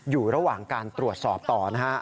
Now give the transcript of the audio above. อยู่ระหว่างการตรวจสอบต่อนะฮะ